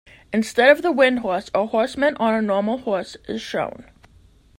Instead of the Wind Horse, a horseman on a normal horse is shown.